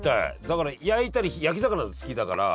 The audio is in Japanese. だから焼いたり焼き魚なら好きだから。